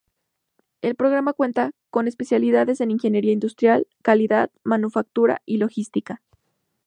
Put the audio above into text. El programa cuenta con especialidades en ingeniería industrial, calidad, manufactura y logística.